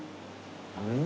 うん！